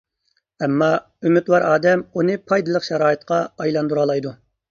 ئەمما، ئۈمىدۋار ئادەم ئۇنى پايدىلىق شارائىتقا ئايلاندۇرالايدۇ.